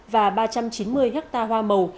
và ba trăm chín mươi ha hoa màu